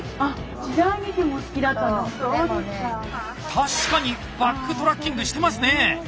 確かにバックトラッキングしてますね！